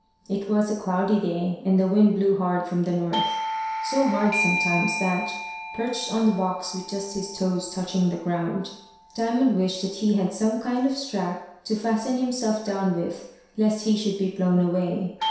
It was a cloudy day, and the wind blew hard from the north so hard sometimes that, perched on the box with just his toes touching the ground, Diamond wished that he had some kind of strap to fasten himself down with lest he should be blown away.